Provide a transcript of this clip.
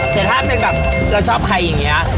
แต่ถ้าเราชอบใครอย่างนี้